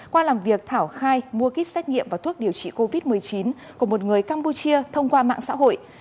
qua làm việc thảo khai mua kích xét nghiệm và thuốc điều trị covid một mươi chín của một người campuchia thông qua mạng xã hội